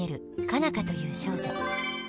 佳奈花という少女。